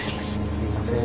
すいません